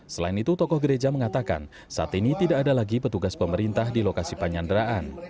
selain itu tokoh gereja mengatakan saat ini tidak ada lagi petugas pemerintah di lokasi penyanderaan